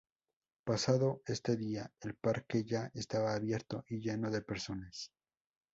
Pasado este día, el parque ya estaba abierto y lleno de personas.